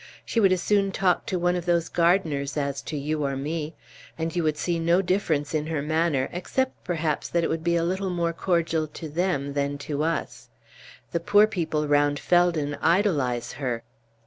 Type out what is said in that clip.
She would as soon talk to one of those gardeners as to you or me; and you would see no difference in her manner, except that perhaps it would be a little more cordial to them than to us. The poor people round Felden idolize her."